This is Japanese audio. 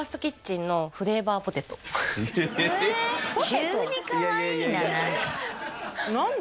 急にかわいいな何か何で？